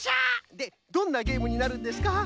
でどんなゲームになるんですか？